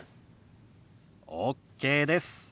ＯＫです。